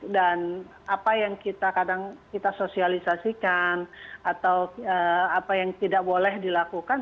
dan apa yang kita kadang kita sosialisasikan atau apa yang tidak boleh dilakukan